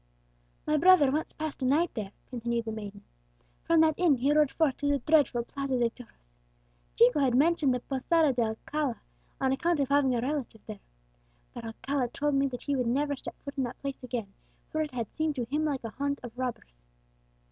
"My brother once passed a night there," continued the maiden; "from that inn he rode forth to the dreadful Plaza de Toros. Chico had mentioned the posada to Alcala, on account of having a relative there. But Alcala has told me that he would never set foot in that place again, for that it had seemed to him like a haunt of robbers."